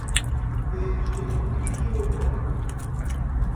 Perdi um quilograma.